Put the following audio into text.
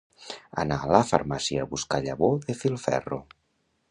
Anar a la farmàcia a buscar llavor de filferro.